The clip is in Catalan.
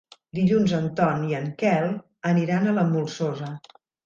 Dilluns en Ton i en Quel aniran a la Molsosa.